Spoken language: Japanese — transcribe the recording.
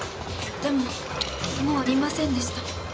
でももういませんでした。